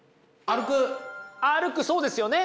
歩くそうですよね！